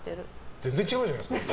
全然違うじゃないですか。